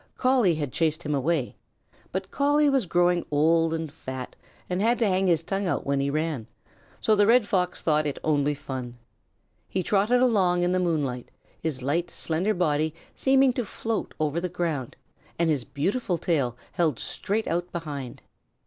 Collie had chased him away, but Collie was growing old and fat and had to hang his tongue out when he ran, so the Red Fox thought it only fun. He trotted along in the moonlight, his light, slender body seeming to almost float over the ground, and his beautiful tail held straight out behind.